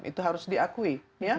itu harus diakui